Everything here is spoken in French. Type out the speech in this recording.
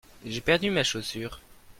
j'ai perdu ma chaussure.